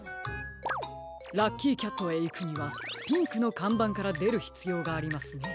ラッキーキャットへいくにはピンクのかんばんからでるひつようがありますね。